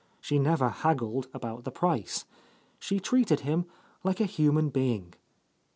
She never haggled about the price. She treated him like a human being.